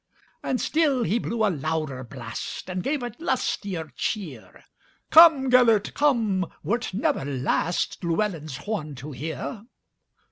And still he blew a louder blast, And gave a lustier cheer:"Come, Gêlert, come, wert never lastLlewelyn's horn to hear.